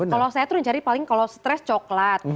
kalau saya tuh yang cari paling kalau stres coklat